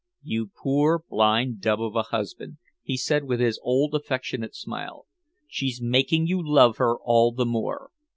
"You poor blind dub of a husband," he said with his old affectionate smile, "she's making you love her all the more.